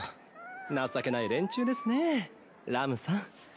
情けない連中ですねぇラムさん。